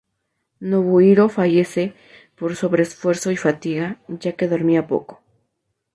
Nobuhiro fallece por sobre-esfuerzo y fatiga, ya que dormía poco.